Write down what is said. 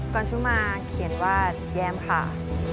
ก่อนฉุมมาเขียนว่าแยมค่ะ